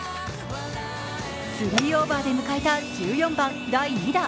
３オーバーで迎えた１４番第２打。